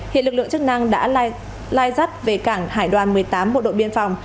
hiện lực lượng chức năng đã lai rắt về cảng hải đoàn một mươi tám bộ đội biên phòng